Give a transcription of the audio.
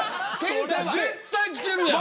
絶対来てるやん。